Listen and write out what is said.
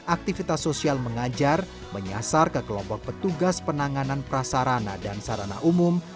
aktivitas sosial mengajar menyasar ke kelompok petugas penanganan prasarana dan sarana umum